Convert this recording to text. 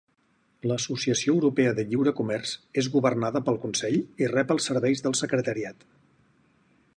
L'Associació Europea de Lliure Comerç és governada pel Consell i rep els serveis del Secretariat.